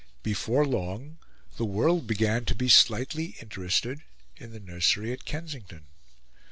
Before long, the world began to be slightly interested in the nursery at Kensington.